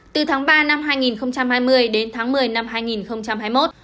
từ tháng ba năm hai nghìn hai mươi đến tháng một mươi năm hai nghìn hai mươi một